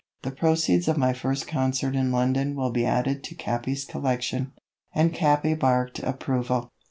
The proceeds of my first concert in London will be added to Capi's collection." And Capi barked approval.